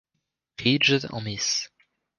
Bridges en Mrs.